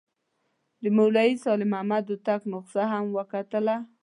د مولوي صالح محمد هوتک نسخه هم وکتله.